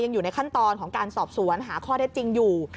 อยู่ในขั้นตอนของการสอบสวนหาข้อเท็จจริงอยู่